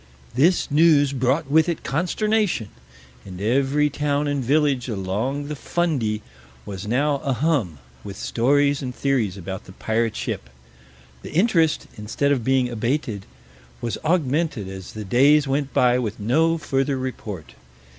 This news brought with it consternation, and every town and village along the Fundy was a hum with stories and theories about the pirate ship. The interest, instead of being abated, was augmented as the days went by with no further report.